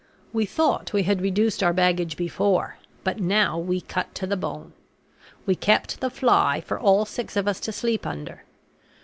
We thought we had reduced our baggage before; but now we cut to the bone. We kept the fly for all six of us to sleep under.